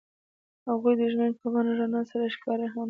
هغوی د ژمنې په بڼه رڼا سره ښکاره هم کړه.